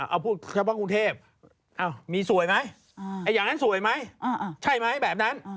เอาพูดเฉพาะกรุงเทพมีสวยไหมอย่างนั้นสวยไหมใช่ไหมแบบนั้น